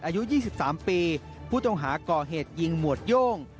อายุ๒๓ปีผู้ต้องหาก่อเหตุยิงหมวดโย่ง